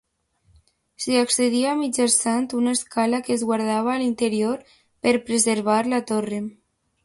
S'hi accedia mitjançant una escala que es guardava a l'interior per preservar la torre.